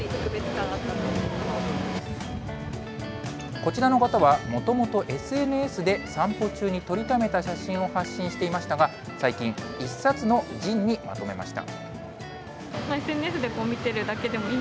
こちらの方は、もともとＳＮＳで散歩中に撮りためた写真を発信していましたが、最近、１冊のＺＩＮＥにまとめました。